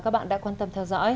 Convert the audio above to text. các tiền tăng của mỹ sẽ nâng dụng